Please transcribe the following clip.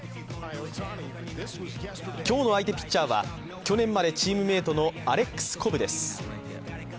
今日の相手ピッチャーは去年までチームメートのアレックス・コブです。